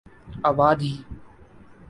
اوادھی